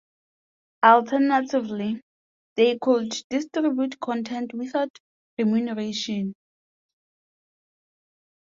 Alternatively, they could distribute content without remuneration.